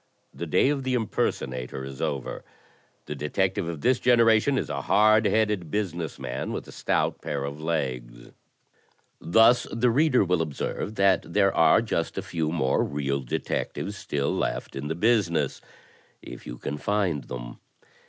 The day of the impersonator is over. The detective of this generation is a hard headed business man with a stout pair of legs." Thus, the reader will observe that there are just a few more real detectives still left in the business — if you can find them.